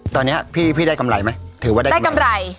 ตอนนี้พี่ได้กำไรไหม